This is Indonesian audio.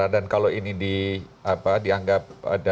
dan kalau ini dianggap